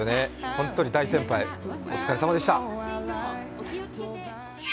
本当に大先輩、お疲れさまでした。